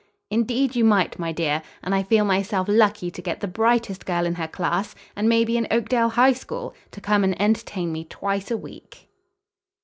"Indeed, you might, my dear. And I feel myself lucky to get the brightest girl in her class, and maybe in Oakdale High School, to come and entertain me twice a week."